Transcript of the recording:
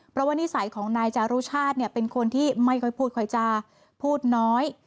เพราะว่านิสัยของนายจารุชาติเป็นคนที่ไม่ค่อยพูดค่อยจาพูดน้อย